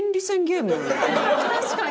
確かに。